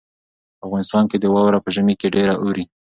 په افغانستان کې واوره په ژمي کې ډېره اوري.